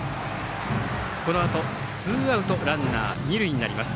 このあとツーアウトランナー、二塁になります。